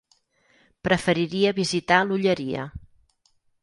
Preferiria visitar l'Olleria.